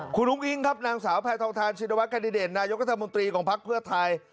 คุณอุ้งอิงครับนางสาวแพทองทานชินวัฒดิเดตนายกัธมนตรีของพักเพื่อไทย